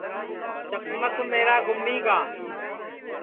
چکمک میرا گُمیگا